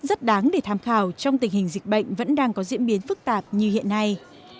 hướng giải quyết rất đáng để tham khảo trong tình hình dịch bệnh vẫn đang có diễn biến phức tạp như hiện nay